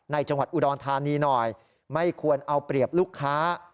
จังหวัดอุดรธานีหน่อยไม่ควรเอาเปรียบลูกค้า